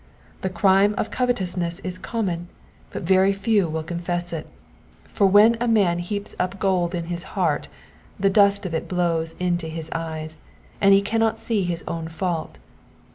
The crime of covetousness is common, but very few will confess it ; for when a man heaps up gold in his heart, the dust of it blows into his eyes, and he cannot see his own fault.